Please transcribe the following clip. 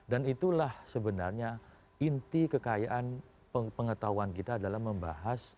dan itulah sebenarnya inti kekayaan pengetahuan kita adalah membahas